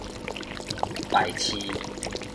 敗市